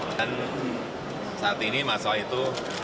dan saat ini masalah itu